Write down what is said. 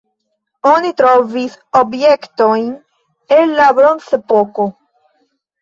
Oni trovis objektojn el la bronzepoko.